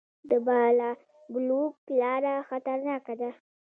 د بالابلوک لاره خطرناکه ده